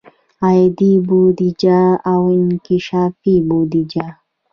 عادي بودیجه او انکشافي بودیجه.